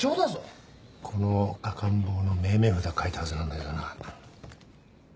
この赤ん坊の命名札書いたはずなんだけどな。